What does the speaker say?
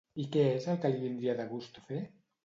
I què és el que li vindria de gust fer?